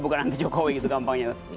bukan anti jokowi gitu gampangnya